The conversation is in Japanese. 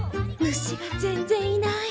虫が全然いない。